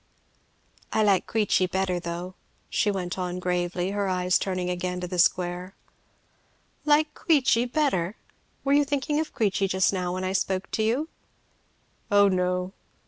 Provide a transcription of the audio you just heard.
"I like Queechy better though," she went on gravely, her eyes turning again to the square. "Like Queechy better! Were you thinking of Queechy just now when I spoke to you?" "Oh no!"